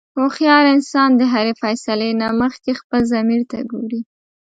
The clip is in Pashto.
هوښیار انسان د هرې فیصلې نه مخکې خپل ضمیر ته ګوري.